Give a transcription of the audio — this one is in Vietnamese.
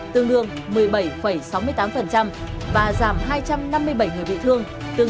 tương đương một mươi sáu mươi sáu